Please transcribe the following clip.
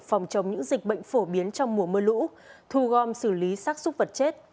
phòng chống những dịch bệnh phổ biến trong mùa mưa lũ thu gom xử lý sắc xúc vật chết